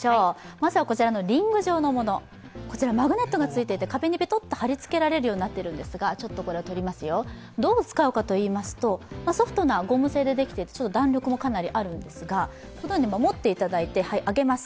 まずはこちらのリング状のもの、マグネットがついていて壁にぺとっと貼り付けられるようになっているんですがどう使うかといいますと、ソフトなゴム製でできていてちょっと弾力もかなりあるんですが、持っていただいて、上げます。